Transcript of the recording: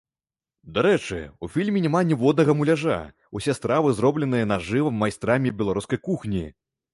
Дарэчы, у фільме няма ніводнага муляжа, усе стравы зробленыя нажыва майстрамі беларускай кухні!